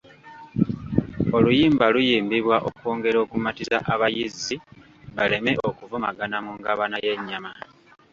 Oluyimba luyimbibwa okwongera okumatiza abayizzi baleme okuvumagana mu ngabana y’ennyama.